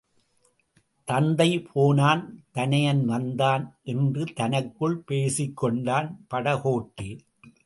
தந்தை போனான் தனயன் வந்தான் என்று தனக்குள் பேசிக் கொண்டான் படகோட்டி.